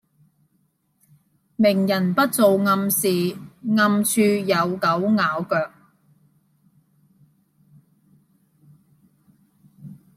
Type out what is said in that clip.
明人不做暗事，暗處有狗咬腳